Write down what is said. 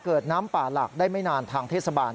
น้ำป่าหลักได้ไม่นานทางเทศบาล